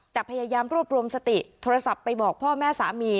แต่พยายามรวบรวมสติโทรศัพท์ไปบอกพ่อแม่สามี